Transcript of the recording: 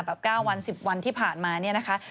๙วัน๑๐วันที่ผ่านมาเนี่ยนะคะ